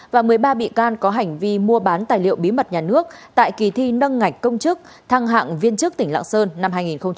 và một mươi ba bị can có hành vi mua bán tài liệu bí mật nhà nước tại kỳ thi nâng ngạch công chức thăng hạng viên chức tỉnh lạng sơn năm hai nghìn một mươi chín